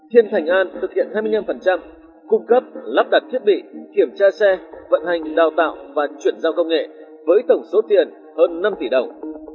thiên thành an thực hiện hai mươi năm cung cấp lắp đặt thiết bị kiểm tra xe vận hành đào tạo và chuyển giao công nghệ với tổng số tiền hơn năm tỷ đồng